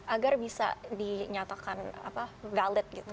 agar bisa dinyatakan valid gitu